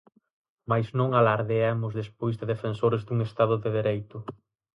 Mais non alardeemos despois de defensores dun estado de dereito.